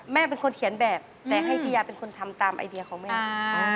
แม่เป็นคนเขียนแบบแต่ให้พี่ยาเป็นคนทำตามไอเดียของแม่